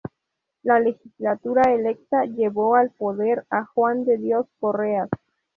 La legislatura electa llevó al poder a Juan de Dios Correas.